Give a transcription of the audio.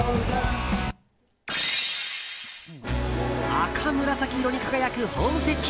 赤紫色に輝く宝石。